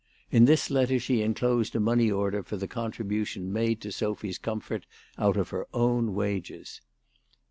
In this letter she enclosed a money order for the contribution made to Sophy's comfort out of her own wages.